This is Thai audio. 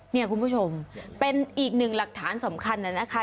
เนี่ยคุณผู้ชมเป็นอีกหนึ่งหลักฐานสำคัญน่ะนะคะ